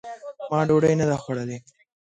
ما ډوډۍ نه ده خوړلې !